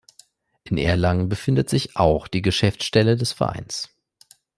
In Erlangen befindet sich auch die Geschäftsstelle des Vereins.